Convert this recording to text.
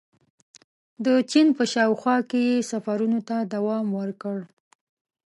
• د چین په شاوخوا کې یې سفرونو ته دوام ورکړ.